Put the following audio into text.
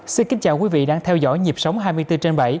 xin kính chào quý vị đang theo dõi nhịp sống hai mươi bốn trên bảy